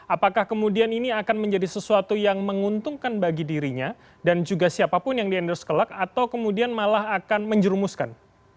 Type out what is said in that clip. apakah kemudian ini akan menjadi sesuatu yang menguntungkan bagi dirinya dan juga siapapun yang di endorse kelak atau kemudian malah akan menjerumuskan